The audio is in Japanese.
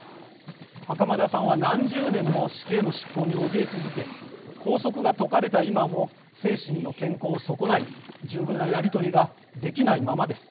袴田さんは何十年も死刑の執行におびえ続け拘束が解かれた今も精神の健康を損ない十分なやり取りができないままです。